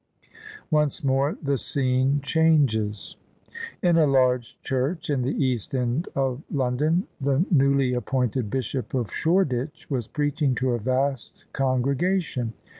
THE SUBJECTION ONCE MORE THE SCENE CHANGES In a large church in the East End of London the newly appointed Bishop of Shoreditch was preaching to a vast con gregation.